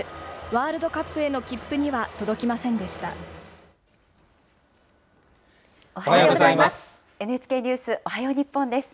ワールドカップへの切符には届きおはようございます。